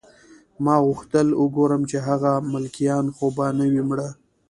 ما غوښتل وګورم چې هغه ملکیان خو به نه وي مړه